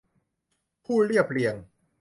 ผู้เรียบเรียง